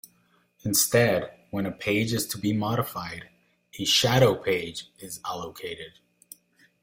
Instead, when a page is to be modified, a shadow page is allocated.